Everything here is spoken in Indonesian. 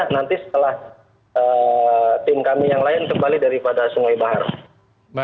nanti setelah tim kami yang lain kembali daripada sungai bahar